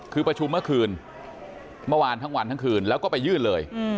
คือประชุมเมื่อคืนเมื่อวานทั้งวันทั้งคืนแล้วก็ไปยื่นเลย